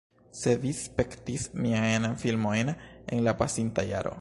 Se vi spektis miajn filmojn en la pasinta jaro